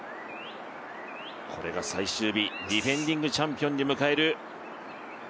これが最終日、ディフェンディングチャンピオンが迎える。